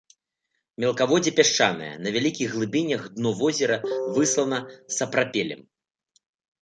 Мелкаводдзе пясчанае, на вялікіх глыбінях дно возера выслана сапрапелем.